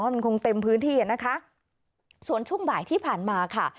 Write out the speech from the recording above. มันคงเต็มพื้นที่อ่ะนะคะส่วนช่วงบ่ายที่ผ่านมาค่ะ